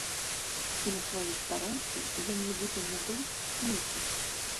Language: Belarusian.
І на сваёй старонцы ён нібыта не быў месяц.